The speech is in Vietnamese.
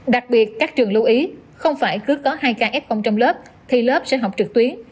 đặc biệt các trường lưu ý không phải cứ có hai ca f trong lớp thì lớp sẽ học trực tuyến